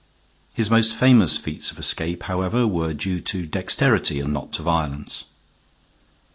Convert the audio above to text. His most famous feats of escape, however, were due to dexterity and not to violence.